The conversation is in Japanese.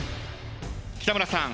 北村さん